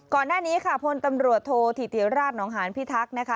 ก่อนหน้านี้พลตำรวจโทษธิเตียราชนองหารพิทักษ์